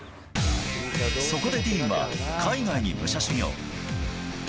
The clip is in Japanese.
そこでディーンは海外に武者修行。